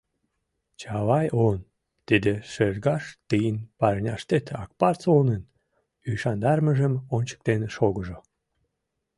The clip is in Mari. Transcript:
Чавай он, тиде шергаш тыйын парняштет Акпарс онын ӱшандарымыжым ончыктен шогыжо!